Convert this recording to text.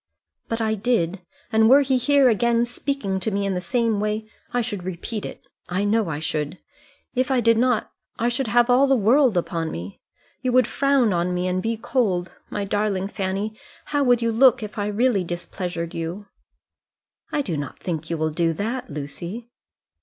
"But I did, and were he here again, speaking to me in the same way, I should repeat it. I know I should. If I did not, I should have all the world on me. You would frown on me, and be cold. My darling Fanny, how would you look if I really displeasured you?" "I don't think you will do that, Lucy."